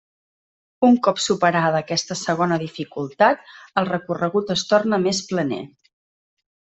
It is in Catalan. Un cop superada aquesta segona dificultat el recorregut es torna més planer.